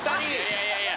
いやいやいやいや